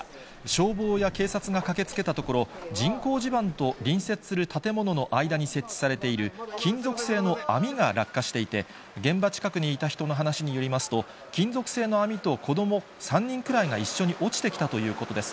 消防や警察が駆けつけたところ、人工地盤と隣接する建物の間に設置されている金属製の網が落下していて、現場近くにいた人の話によりますと、金属製の網と子ども３人ぐらいが一緒に落ちてきたということです。